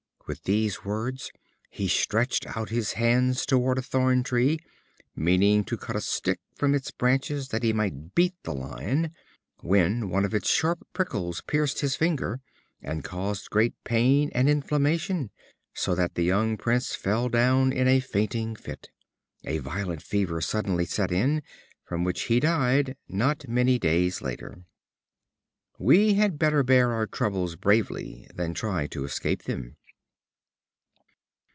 With these words he stretched out his hands toward a thorn tree, meaning to cut a stick from its branches that he might beat the lion, when one of its sharp prickles pierced his finger, and caused great pain and inflammation, so that the young Prince fell down in a fainting fit. A violent fever suddenly set in, from which he died not many days after. We had better bear our troubles bravely than try to escape them.